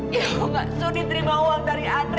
ibu nggak sudi terima uang dari andre